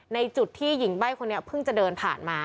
ในจุดที่หญิงใบ้คนนี้เพิ่งจะเดินผ่านมา